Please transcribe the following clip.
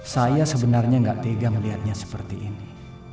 saya sebenarnya nggak tega melihatnya seperti ini